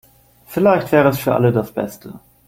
Vielleicht wäre es für alle das Beste.